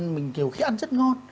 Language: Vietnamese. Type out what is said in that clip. mình nhiều khi ăn rất ngon